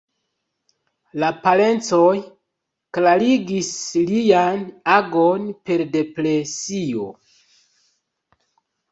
La parencoj klarigis lian agon per depresio.